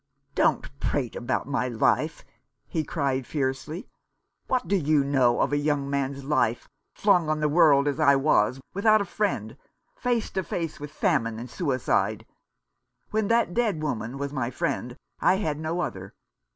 "Don't prate about my life," he cried fiercely. "What do you know of a young man's life, flung on the world as I was, without a friend, face to face with famine and suicide ? When that dead woman was my friend I had no other.